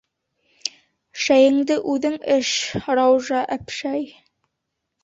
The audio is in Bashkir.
Шәйеңде үҙең эш, Раужа әпшәй!